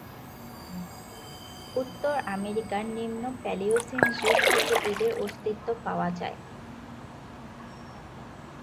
উত্তর আমেরিকার নিম্ন প্যালিওসিন যুগ থেকে এদের অস্তিত্ব পাওয়া যায়।